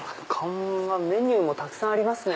メニューもたくさんありますね。